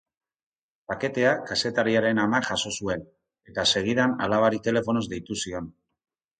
Paketea kazetariaren amak jaso zuen, eta segidan alabari telefonoz deitu zion.